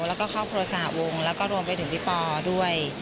แล้วก็ครอบครัวสหวงแล้วก็รวมไปถึงพี่ปอด้วย